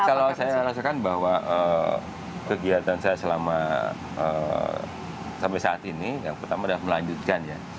kalau saya merasakan bahwa kegiatan saya selama sampai saat ini yang pertama adalah melanjutkan ya